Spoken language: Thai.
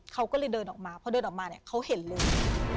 เขาก็เลยเดินออกมาพอเดินออกมาเนี่ยเขาเห็นเลย